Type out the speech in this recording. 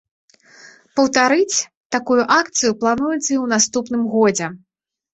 Паўтарыць такую акцыю плануецца і ў наступным годзе.